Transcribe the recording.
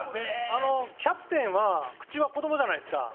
あのキャプテンは口は子供じゃないですか。